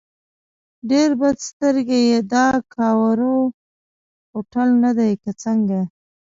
ډېر بد سترګی یې، دا کاوور هوټل نه دی که څنګه؟